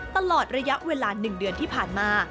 ตลอดระยะเวลา๑เดือนที่ผ่านมา